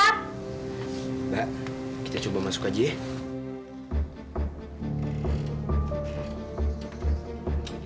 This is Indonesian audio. mbak kita coba masuk aja ya